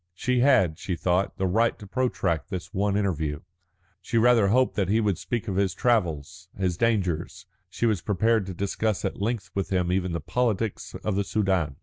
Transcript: She had, she thought, the right to protract this one interview. She rather hoped that he would speak of his travels, his dangers; she was prepared to discuss at length with him even the politics of the Soudan.